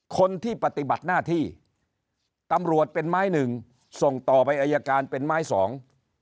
คนที่ปฏิบัติหน้าที่ตำรวจเป็นไม้หนึ่งส่งต่อไปอายการเป็นไม้สอง